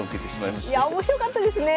いや面白かったですね！